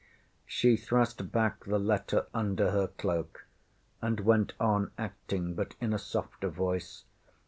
ŌĆÖ She thrust back the letter under her cloak, and went on acting, but in a softer voice.